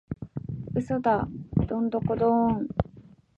嘘だドンドコドーン！